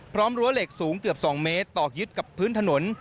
รั้วเหล็กสูงเกือบ๒เมตรตอกยึดกับพื้นถนน